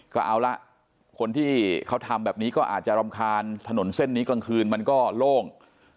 ก็เอาละคนที่เขาทำแบบนี้ก็อาจจะรำคาญถนนเส้นนี้กลางคืนมันก็โล่ง